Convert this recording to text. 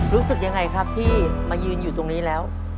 รู้สึกยังไงครับที่มายืนอยู่ตรงนี้แล้ว